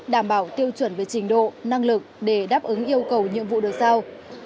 đảm bảo tiêu chuẩn về trình độ năng lực để đáp ứng yêu cầu nhiệm vụ đợt sau